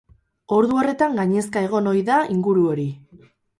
Ordu horretan gainezka egon ohi da inguru hori.